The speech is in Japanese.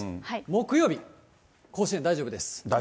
木曜日、甲子園大丈夫です。